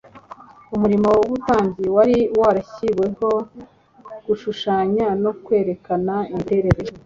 Umurimo w'ubutambyi wari warashyiriweho gushushanya no kwerekana imiterere